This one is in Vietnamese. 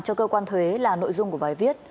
cho cơ quan thuế là nội dung của bài viết